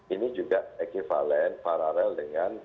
ini juga ekivalen dengan